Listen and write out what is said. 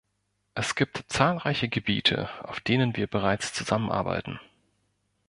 Es gibt zahlreiche Gebiete, auf denen wir bereits zusammenarbeiten.